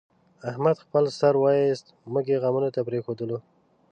احمد خپل سر وایست، موږ یې غمونو ته پرېښودلو.